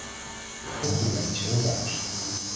Toch doen wij iets heel raars.